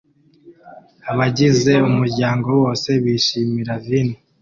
Abagize umuryango bose bishimira vino